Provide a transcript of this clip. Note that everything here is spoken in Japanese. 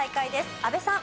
阿部さん。